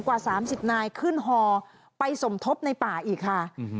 กว่า๓๐นายขึ้นฮอไปสมทบในป่าอีกค่ะ